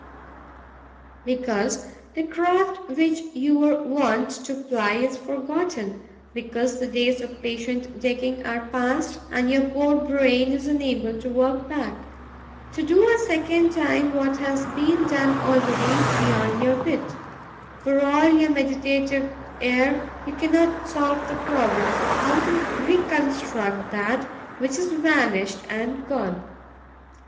Because the craft which you were wont to ply is forgotten; because the days of patient digging are past and your poor brain is unable to work back. To do a second time what has been done already is beyond your wit. For all your meditative air, you cannot solve the problem of how to reconstruct that which is vanished and gone.